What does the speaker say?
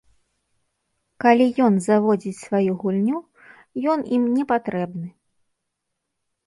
Калі ён заводзіць сваю гульню, ён ім не патрэбны.